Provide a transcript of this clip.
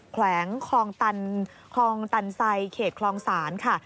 แขวงคลองตันใสเขตคลองศาลค่ะ